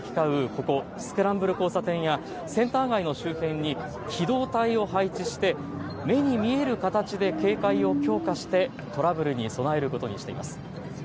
ここスクランブル交差点やセンター街の周辺に機動隊を配置して目に見える形で警戒を強化してトラブルに備えることにしています。